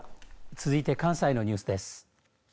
続いて関西のニュースです。